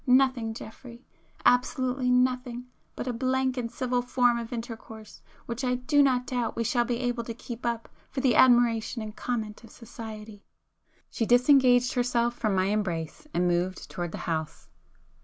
Nothing, Geoffrey,—absolutely nothing but a blank and civil form of intercourse, which I do not doubt we shall be able to keep up for the admiration and comment of society!" She disengaged herself from my embrace, and moved towards the house.